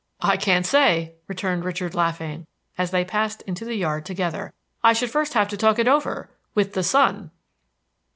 "I can't say," returned Richard laughing, as they passed into the yard together. "I should first have to talk it over with the son!"